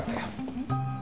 えっ？